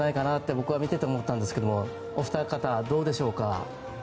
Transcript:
僕は見てて思ったんですけどお二方どうでしょうか？